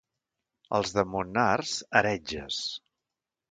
Els de Monnars, heretges.